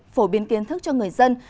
phổ biến kiến thức cho người dân